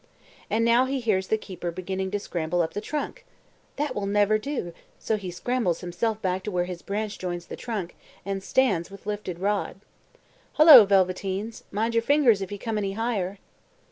And now he hears the keeper beginning to scramble up the trunk. That will never do; so he scrambles himself back to where his branch joins the trunk, and stands with lifted rod. "Hullo, Velveteens, mind your fingers if you come any higher."